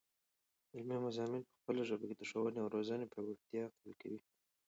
علمي مضامین په خپله ژبه کې، د ښوونې او روزني پیاوړتیا قوي.